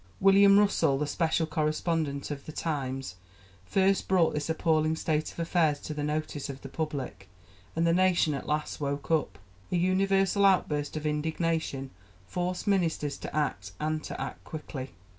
William Russell, the special correspondent of The Times, first brought this appalling state of affairs to the notice of the public, and the nation at last woke up. A universal outburst of indignation forced ministers to act, and to act quickly.